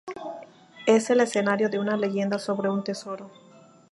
Es el escenario de una leyenda sobre un tesoro.